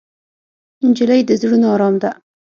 نجلۍ د زړونو ارام ده.